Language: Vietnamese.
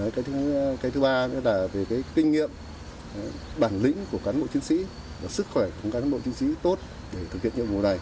cái thứ ba nữa là về cái kinh nghiệm bản lĩnh của cán bộ chiến sĩ và sức khỏe của cán bộ chiến sĩ tốt để thực hiện nhiệm vụ này